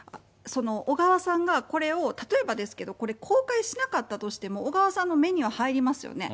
小川さんがこれを、例えばですけど、これ、公開しなかったとしても、小川さんの目には入りますよね。